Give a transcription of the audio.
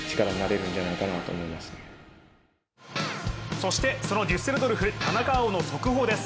そしてそのデュッセルドルフ田中碧の速報です。